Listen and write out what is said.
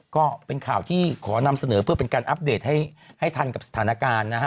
ก็เป็นข่าวที่ขอนำเสนอเป้าหมายให้ทัลกับสถานการณ์